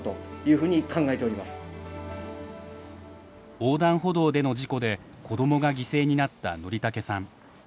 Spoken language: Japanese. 横断歩道での事故で子どもが犠牲になった則竹さん。